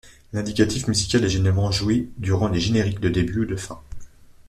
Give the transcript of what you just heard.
L'indicatif musical est généralement joué durant les génériques de début ou de fin.